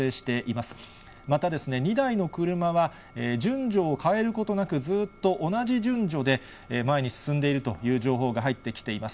また、２台の車は順序を変えることなく、ずっと同じ順序で前に進んでいるという情報が入ってきています。